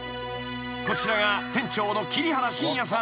［こちらが店長の桐原慎也さん。